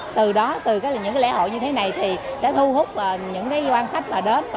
từ đó từ những lễ hội như thế này thì sẽ thu hút những quan khách mà đến